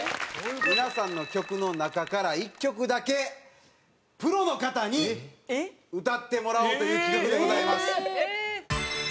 皆さんの曲の中から１曲だけプロの方に歌ってもらおうという企画でございます。